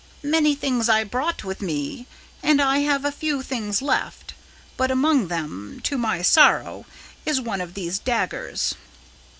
Many things I brought with me, and I have a few things left, but among them, to my sorrow, is one of these daggers."